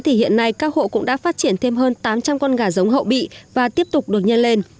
thì hiện nay các hộ cũng đã phát triển thêm hơn tám trăm linh con gà giống hậu bị và tiếp tục được nhân lên